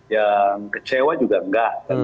yang kecewa juga nggak